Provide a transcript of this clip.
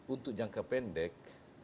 untuk jangka pendek